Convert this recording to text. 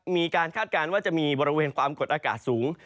คาดการณ์ว่าจะมีบริเวณความกดอากาศสูง